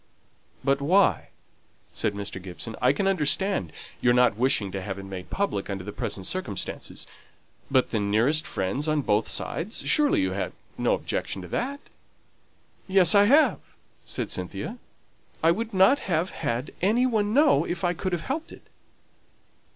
"But why?" said Mr. Gibson. "I can understand your not wishing to have it made public under the present circumstances. But the nearest friends on both sides! Surely you can have no objection to that?" "Yes, I have," said Cynthia; "I would not have had any one know if I could have helped it."